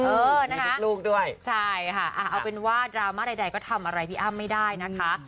เออนะครับเอาเป็นว่าดราม่าใดก็ทำอะไรพี่อ้ามไม่ได้นะครับ